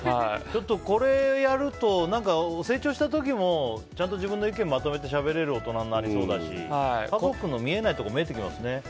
これやると、成長した時もちゃんと自分の意見をまとめてしゃべれる大人になりそうだし家族の見えないところが見えてきそうですね。